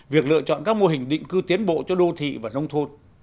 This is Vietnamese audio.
việc lựa chọn các mô hình định cư tiến bộ cho đô thị và nông thôn